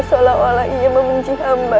seolah olah ia membenci hamba